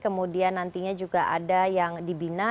kemudian nantinya juga ada yang dibina